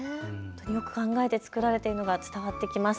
よく考えて作られているのが伝わってきます。